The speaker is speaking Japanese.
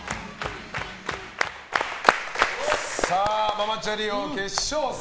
ママチャリ王決勝戦。